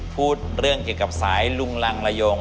พูดเรื่องเกี่ยวกับสายลุงรังละยง